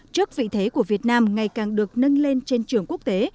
trước vị thế của việt nam ngày càng được nâng lên trên trường quốc tế